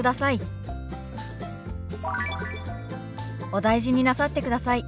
「お大事になさってください」。